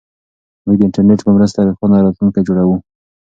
موږ د انټرنیټ په مرسته روښانه راتلونکی جوړوو.